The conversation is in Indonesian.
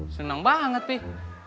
seneng banget pih